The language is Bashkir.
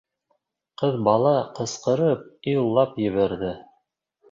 Ҡыҙ бала ҡысҡырып илап ебәрҙе.